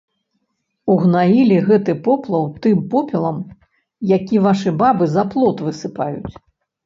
Угнаілі гэты поплаў тым попелам, які вашы бабы за плот высыпаюць.